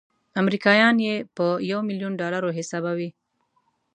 امریکایان یې په یو میلیون ډالرو حسابوي.